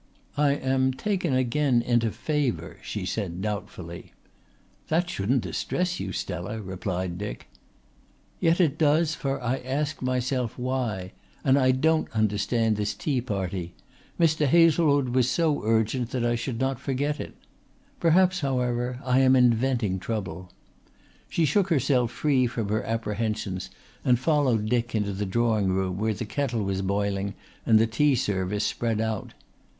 "I am taken again into favour," she said doubtfully. "That shouldn't distress you, Stella," replied Dick. "Yet it does, for I ask myself why. And I don't understand this tea party. Mr. Hazlewood was so urgent that I should not forget it. Perhaps, however, I am inventing trouble." She shook herself free from her apprehensions and followed Dick into the drawing room, where the kettle was boiling and the tea service spread out.